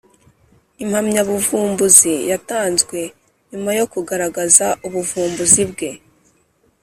impamyabuvumbuzi yatanzwe nyuma yokugaragaza ubuvumbuzi bwe